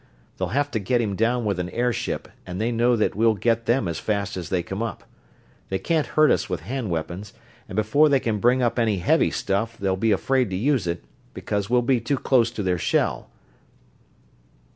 They'll have to get him down with an airship, and they know that we'll get them as fast as they come up. They can't hurt us with hand weapons, and before they can bring up any heavy stuff they'll be afraid to use it, because we'll be too close to their shell.